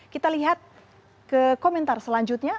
kita lihat komentar selanjutnya